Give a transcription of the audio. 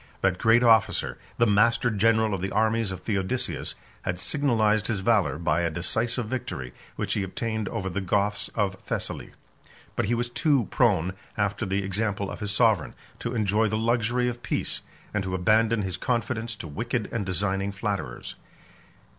That great officer, the master general of the armies of Theodosius, had signalized his valor by a decisive victory, which he obtained over the Goths of Thessaly; but he was too prone, after the example of his sovereign, to enjoy the luxury of peace, and to abandon his confidence to wicked and designing flatterers.